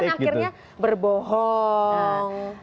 kemudian akhirnya berbohong